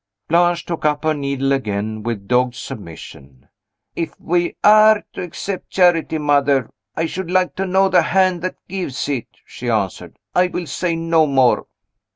Blanche took up her needle again, with dogged submission. "If we are to accept charity, mother, I should like to know the hand that gives it," she answered. "I will say no more."